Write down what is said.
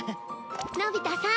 のび太さん。